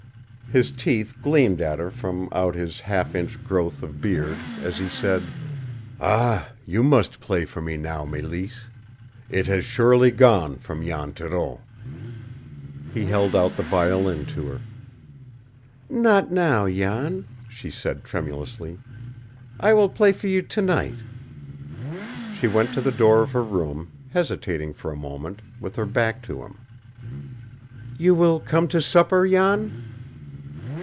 His teeth gleamed at her from out his half inch growth of beard, as he said: "Ah, you must play for me now, Mélisse! It has surely gone from Jan Thoreau." He held out the violin to her. "Not now, Jan," she said tremulously. "I will play for you to night." She went to the door of her room, hesitating for a moment, with her back to him. "You will come to supper, Jan?"